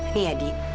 nih ya dik